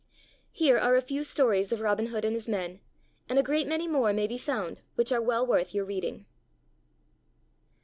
Here are a few stories of Robin Hood and his men, and a great many more may be found which are well worth your reading.